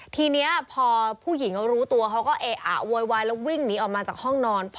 ทีนี้พอผู้หญิงเขารู้ตัวเขาก็เอ๊ะอะโวยวายแล้ววิ่งหนีออกมาจากห้องนอน